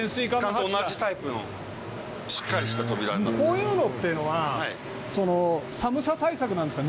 こういうのっていうのは寒さ対策なんですか？